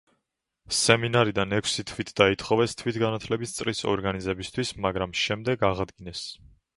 სემინარიიდან ექვსი თვით დაითხოვეს თვითგანათლების წრის ორგანიზებისთვის მაგრამ შემდეგ აღადგინეს.